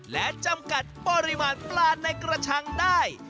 และจำกัดปริมาณปลาในกระชังได้